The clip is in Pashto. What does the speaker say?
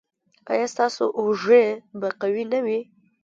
ایا ستاسو اوږې به قوي نه وي؟